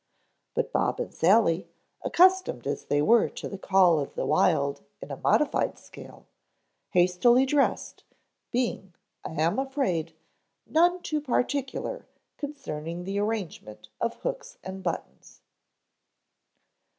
But Bob and Sally, accustomed as they were to the call of the wild in a modified scale, hastily dressed, being, I am afraid, none too particular concerning the arrangement of hooks and buttons.